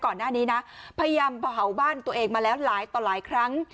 ก่อนหน้านี้นะพยายามเผาบ้านตัวเองมาแล้วหลายต่อหลายครั้ง